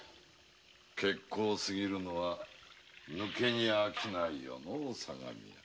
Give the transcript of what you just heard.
結構すぎるのは抜け荷商いよのう相模屋。